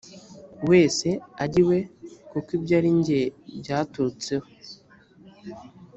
wese ajye iwe kuko ibyo ari jye byaturutseho